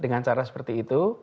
dengan cara seperti itu